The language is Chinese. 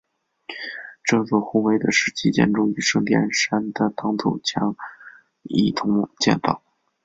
这座宏伟的石砌建筑与圣殿山的挡土墙一同建造。